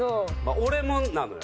俺もなのよ。